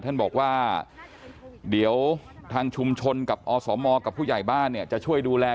ท่านบอกว่าเดี๋ยวทางชุมชนกับอสมกับผู้ใหญ่บ้านเนี่ยจะช่วยดูแล